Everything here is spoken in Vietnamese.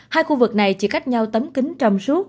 hai khu vực này chỉ cách nhau tấm kính trăm suốt